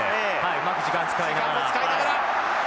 うまく時間使いながら。